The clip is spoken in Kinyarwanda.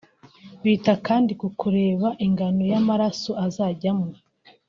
Bita kandi ku kureba ingano y’amaraso azajyamo